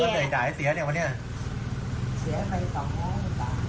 เกียร์เสียไปสองร้อยกว่าบาท